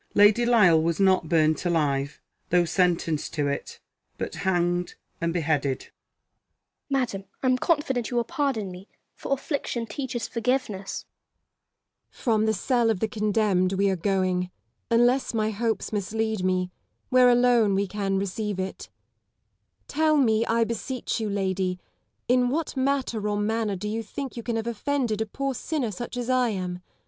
Lady Lisle was not burnt alive, though sentenced to it ; but hanged and beheaded.] Lady Lisle. Madam, I am confident you will pardon me ; for affliction teaches forgiveness. 26 82 IMA GINAR Y CON VERS A TIONS. Elizabeth Gaunt. From the cell of the condemned we are going, unless my hopes mislead me, where alone we can receive it. Tell me, I beseech you, lady ! in what matter or manner do you think you can have offended a poor sinner such as I am.